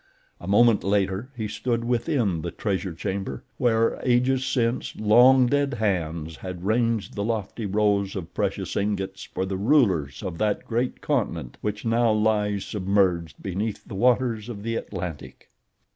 A moment later he stood within the treasure chamber, where, ages since, long dead hands had ranged the lofty rows of precious ingots for the rulers of that great continent which now lies submerged beneath the waters of the Atlantic.